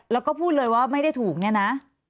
แล้วก็พูดเลยว่าไม่ได้ถูกเนี่ยนะ